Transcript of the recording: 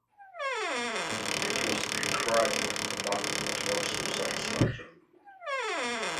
It was a cry of alarm, but also of satisfaction.